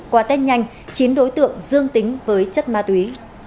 qua tết nhanh chín đối tượng dương tính với chất ma túy